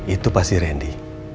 itu pasti randy